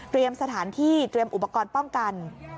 สถานที่เตรียมอุปกรณ์ป้องกัน